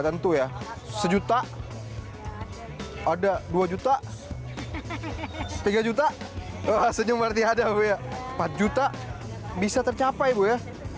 gak tentu ya sejuta ada dua juta tiga juta senyum berarti ada empat juta bisa tercapai ibu ya